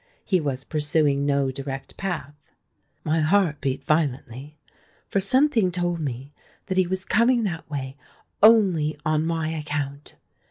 He was pursuing no direct path:—my heart beat violently—for something told me that he was coming that way only on my account!